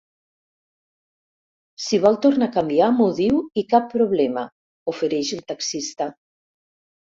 Si vol tornar a canviar m'ho diu i cap problema —ofereix el taxista.